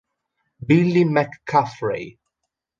Billy McCaffrey